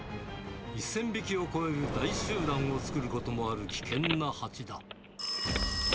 １０００匹を超える大集団を作ることもある危険なハチだ。